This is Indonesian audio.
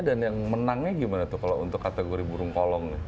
dan yang menangnya gimana tuh kalau untuk kategori burung kolong